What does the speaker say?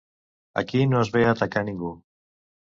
Aquí no es ve a atacar ningú.